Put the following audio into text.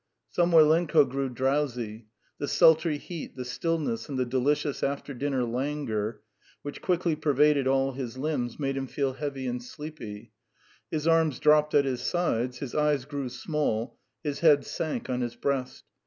Samoylenko grew drowsy; the sultry heat, the stillness and the delicious after dinner languor, which quickly pervaded all his limbs, made him feel heavy and sleepy; his arms dropped at his sides, his eyes grew small, his head sank on his breast.